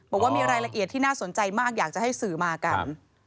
บอกว่ามีรายละเอียดที่น่าสนใจมากอยากจะให้สื่อมากัน